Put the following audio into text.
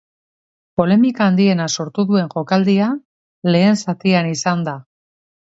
Polemika handiena sortu duen jokaldia lehen zatian izan da.